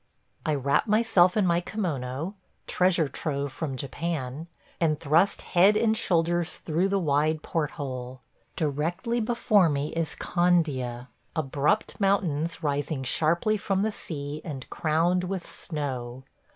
I wrap myself in my kimono – treasure trove from Japan – and thrust head and shoulders through the wide port hole. Directly before me is Candia – abrupt mountains rising sharply from the sea and crowned with snow.